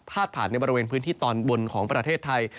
ผ่านในบริเวณพื้นที่ตอนบนของประเทศไทย